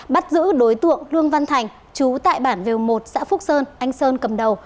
bắt giữ đối tượng lương văn thành chú tại bản vèo một xã phúc sơn anh sơn cầm đầu